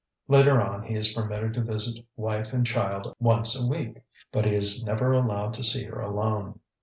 Later on he is permitted to visit wife and child once a week, but he is never allowed to see her alone.